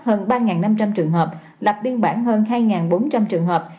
hơn ba năm trăm linh trường hợp lập biên bản hơn hai bốn trăm linh trường hợp